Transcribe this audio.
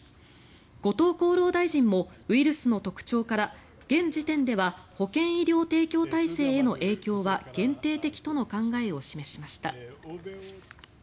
後藤厚労大臣もウイルスの特徴から現時点では保健医療提供体制への影響は限定的との考えを示しました。